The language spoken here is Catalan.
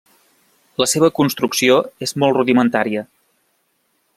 La seva construcció és molt rudimentària.